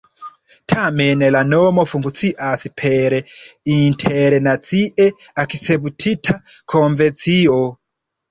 Tamen la nomo funkcias per la internacie akceptita konvencio.